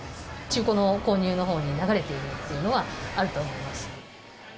中古の購入のほうに流れているっていうのは、あると思います。